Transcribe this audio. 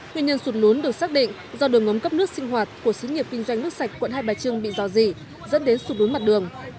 nguyên nhân sụt lún được xác định do đường ngấm cấp nước sinh hoạt của sĩ nghiệp kinh doanh nước sạch quận hai bà trưng bị dò dỉ dẫn đến sụt lún mặt đường